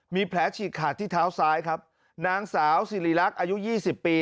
มีแผลฉีดขาดที่เท้าซ้ายนางสาวซิริลักษณ์อายุ๒๐ปี